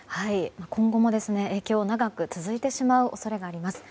今後も影響が長く続いてしまう恐れがあります。